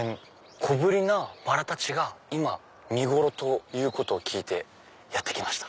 小ぶりなバラたちが今見頃ということを聞いてやって来ました。